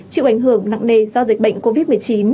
chịu ảnh hưởng nặng nề do dịch bệnh covid một mươi chín